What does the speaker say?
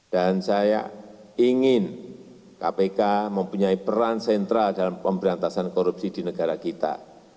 dan saya ingin kpk mempunyai peran sentral dalam pemberantasan korupsi di negara kita